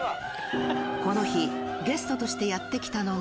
この日、ゲストとしてやって来たのが。